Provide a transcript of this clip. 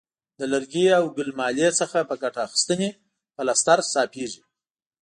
له لرګي او ګل مالې څخه په ګټه اخیستنې پلستر صافیږي.